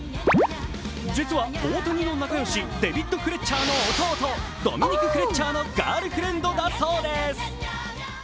実は、大谷の仲良し、デビッド・フレッチャーの弟、ドミニク・フレッチャーのガールフレンドだそうです。